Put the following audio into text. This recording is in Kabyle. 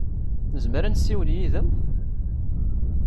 Nezmer ad nessiwel yid-m?